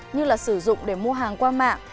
như là sử dụng để mua hàng qua mạng